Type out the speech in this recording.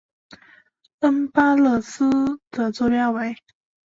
恩巴勒斯的座标为。